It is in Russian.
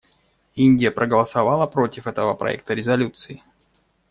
Индия проголосовала против этого проекта резолюции.